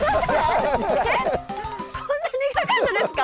こんな苦かったですか？